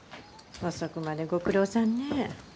遅くまでご苦労さんね。